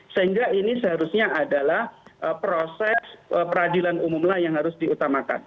sehingga ini seharusnya adalah proses peradilan umumlah yang harus diutamakan